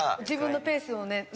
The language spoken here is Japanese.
自分のペースをね